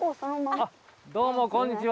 あっどうもこんにちは。